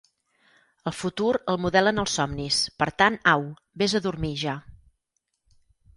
El futur el modelen els somnis, per tant, au, ves a dormir ja.